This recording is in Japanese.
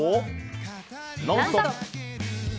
「ノンストップ！」。